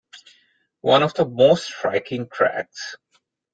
One of the most striking tracks.